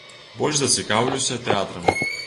Больш за цікаўлюся тэатрам.